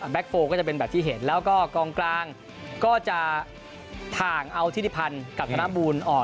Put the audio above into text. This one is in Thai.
โฟลก็จะเป็นแบบที่เห็นแล้วก็กองกลางก็จะถ่างเอาทิติพันธ์กับธนบูลออก